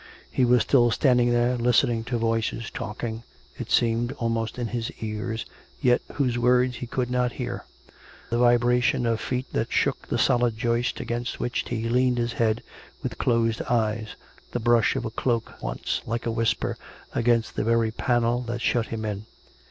He was still standing there, listening to voices talking, it seemed, almost in his ears, yet whose words he could not hear; the vibration of feet that shook the solid joist against which he had leaned his head, with closed eyes; the brush of a cloak once, like a whisper, against the very panel that shut him in.